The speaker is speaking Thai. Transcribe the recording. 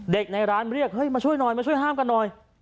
ในร้านเรียกเฮ้ยมาช่วยหน่อยมาช่วยห้ามกันหน่อย